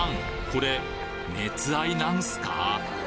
これ熱愛なんすか？